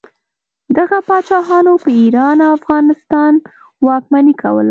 دغه پاچاهانو په ایران او افغانستان واکمني کوله.